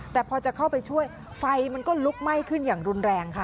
แต่พอจะเข้าไปช่วยไฟมันก็ลุกไหม้ขึ้นอย่างรุนแรงค่ะ